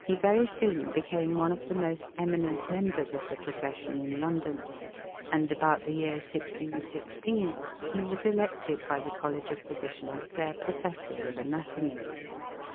He very soon became one of the most eminent members of the profession in London; and, about the year 1616, he was elected by the College of Physicians their Professor of Anatomy.